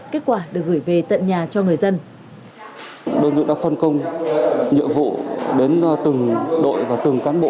kết quả được gửi về tận nhà cho người dân